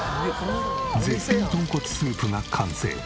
絶品豚骨スープが完成。